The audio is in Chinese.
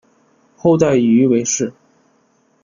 后代以鱼为氏。